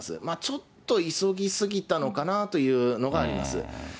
ちょっと急ぎすぎたかなというのがあります。